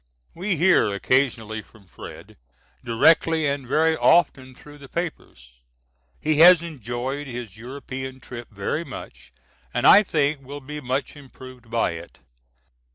We hear occasionally from Fred. directly and very often through the papers. He has enjoyed his European trip very much and I think will be much improved by it.